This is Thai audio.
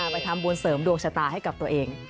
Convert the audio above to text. ไปทำบุญเสริมดวงชะตาให้กับตัวเอง